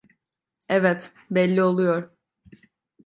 Evet, belli oluyor.